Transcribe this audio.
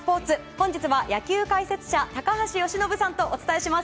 本日は野球解説者高橋由伸さんとお伝えします。